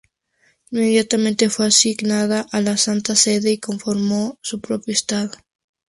Inmediatamente fue asignada a la Santa Sede y conformó su propio estado.